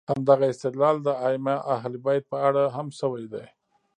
همدغه استدلال د ائمه اهل بیت په اړه هم شوی دی.